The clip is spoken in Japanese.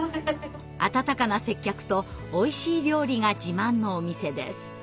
温かな接客とおいしい料理が自慢のお店です。